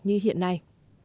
như hiện nay